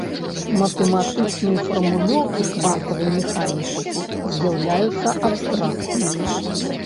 Матэматычныя фармулёўкі квантавай механікі з'яўляюцца абстрактнымі.